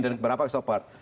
dan beberapa sobat